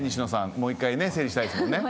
もう１回ね整理したいですもんね。